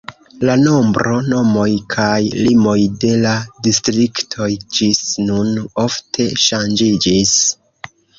La nombro, nomoj kaj limoj de la distriktoj ĝis nun ofte ŝanĝiĝis.